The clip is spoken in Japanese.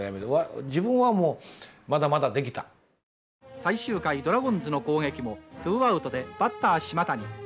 最終回ドラゴンズの攻撃もツーアウトでバッター島谷。